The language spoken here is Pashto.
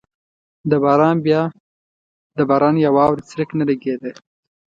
د باران یا واورې څرک نه لګېده.